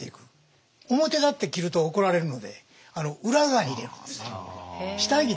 表だって着ると怒られるので裏側に入れるんですね。